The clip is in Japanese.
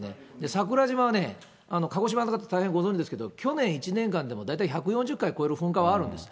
桜島はね、鹿児島の方、大変ご存じですけど、去年１年間でも大体１４０回超える噴火はあるんです。